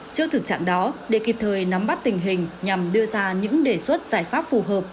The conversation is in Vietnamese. trước thực trạng đó để kịp thời nắm bắt tình hình nhằm đưa ra những đề xuất giải pháp phù hợp